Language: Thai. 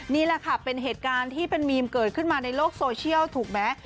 นี่แหละค่ะเป็นเหตุการณ์ที่เป็นมีมเกิดขึ้นมาในโลกโซเชียลถูกไหม